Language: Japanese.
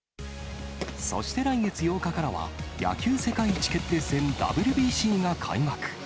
そして来月８日からは、野球世界一決定戦、ＷＢＣが開幕。